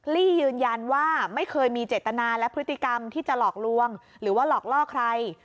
ลี่ยืนยันว่าไม่เคยมีเจตนาและพฤติกรรมที่จะหลอกลวงหรือว่าหลอกล่อใคร